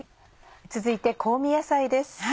続いて香味野菜です。